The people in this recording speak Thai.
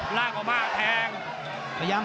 หลากออกมาเนี่ยแทง